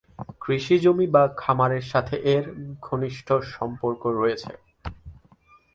কৃষিজমি বা খামারের সাথে এর ঘনিষ্ঠ সম্পর্ক রয়েছে।